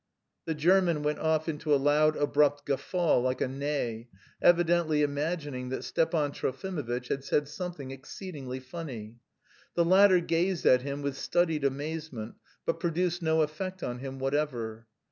The German went off into a loud abrupt guffaw like a neigh, evidently imagining that Stepan Trofimovitch had said something exceedingly funny. The latter gazed at him with studied amazement but produced no effect on him whatever.